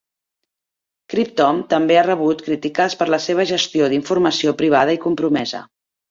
Cryptome també ha rebut crítiques per la seva gestió d'informació privada i compromesa.